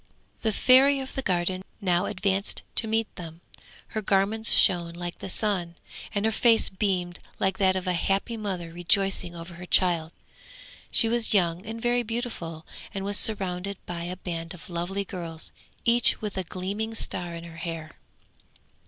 The Fairy of the Garden now advanced to meet them; her garments shone like the sun, and her face beamed like that of a happy mother rejoicing over her child. She was young and very beautiful, and was surrounded by a band of lovely girls, each with a gleaming star in her hair.